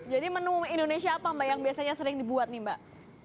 jadi menu indonesia apa mbak yang biasanya sering dibuat nih mbak